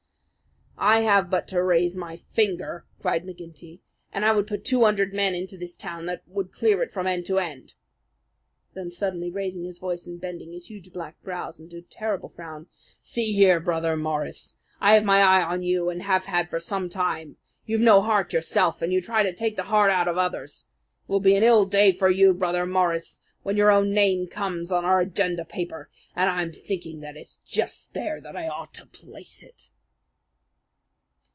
"I have but to raise my finger," cried McGinty, "and I could put two hundred men into this town that would clear it out from end to end." Then suddenly raising his voice and bending his huge black brows into a terrible frown, "See here, Brother Morris, I have my eye on you, and have had for some time! You've no heart yourself, and you try to take the heart out of others. It will be an ill day for you, Brother Morris, when your own name comes on our agenda paper, and I'm thinking that it's just there that I ought to place it."